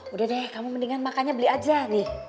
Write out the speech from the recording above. udah deh kamu mendingan makannya beli aja nih